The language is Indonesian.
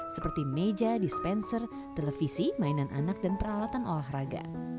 seperti meja dispenser televisi mainan anak dan peralatan olahraga